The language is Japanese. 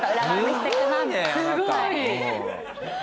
すごい。